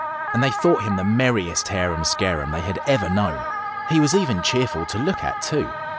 And they thought him the merriest harum scarum they had ever known. He was even cheerful to look at, too.